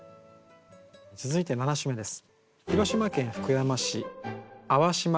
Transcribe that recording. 続いて７首目です。